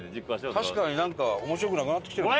確かになんか面白くなくなってきてる。